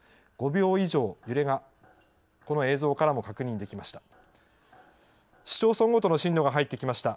５秒以上、揺れが、この映像からも確認できました。